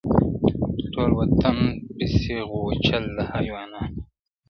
• ټول وطن به سي غوجل د حیوانانو -